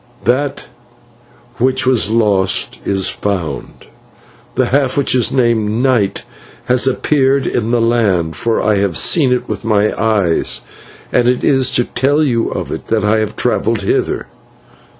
That which was lost is found, the half which is named 'Night' has appeared in the land, for I have seen it with my eyes, and it is to tell you of it that I have travelled hither."